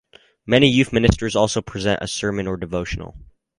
Many youth ministers also present a sermon or devotional.